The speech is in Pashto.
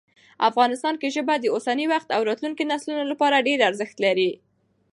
افغانستان کې ژبې د اوسني وخت او راتلونکي نسلونو لپاره ډېر ارزښت لري.